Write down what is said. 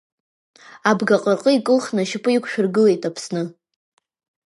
Абгаҟырҟы икылхны ашьапы иқәшәыргылеит Аԥсны.